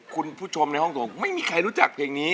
คุณผู้ชมในห้องส่งไม่มีใครรู้จักเพลงนี้